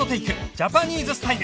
『ジャパニーズスタイル』